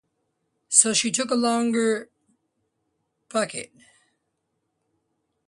So she took along her bucket.